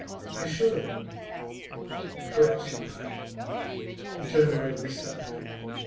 'I should.' 'Perhaps you are right.' He turned away with a sigh.